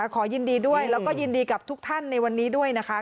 ขอยินดีด้วยแล้วก็ยินดีกับทุกท่านในวันนี้ด้วยนะคะ